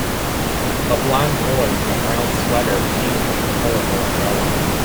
A blond boy in a brown sweater pains on a colorful umbrella.